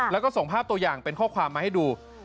แล้วก็ส่งภาพตัวอย่างเป็นข้อความมาให้ดู